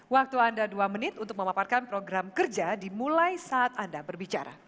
waktu anda dua menit untuk memaparkan program kerja dimulai saat anda berbicara